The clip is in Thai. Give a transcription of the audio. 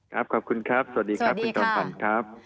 ขอบคุณครับสวัสดีครับคุณจอมขวัญครับ